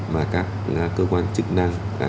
mà các cơ quan chức năng